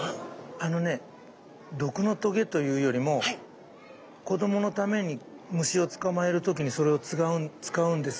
あのね毒のとげというよりも子どものために虫を捕まえる時にそれを使うんです